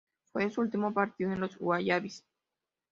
Fue su último partido con los Wallabies.